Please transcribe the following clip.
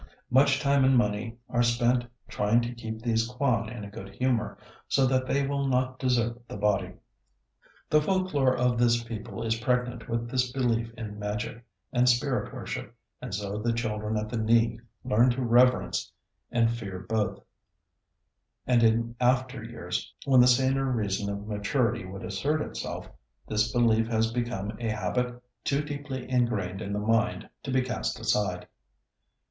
Much time and money are spent trying to keep these kwan in a good humor, so that they will not desert the body.... The folk lore of this people is pregnant with this belief in magic and spirit worship, and so the children at the knee learn to reverence and fear both, and in after years when the saner reason of maturity would assert itself, this belief has become a habit too deeply ingrained in the mind to be cast aside.